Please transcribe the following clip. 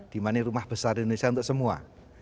dimana rumah besar indonesia untuk semua